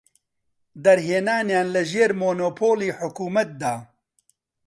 دەرهێنانیان لە ژێر مۆنۆپۆلی حکومەتدا.